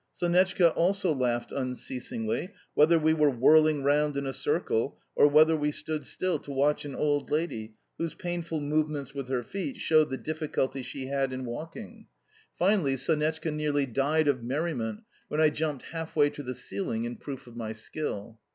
Sonetchka also laughed unceasingly, whether we were whirling round in a circle or whether we stood still to watch an old lady whose painful movements with her feet showed the difficulty she had in walking. Finally Sonetchka nearly died of merriment when I jumped half way to the ceiling in proof of my skill.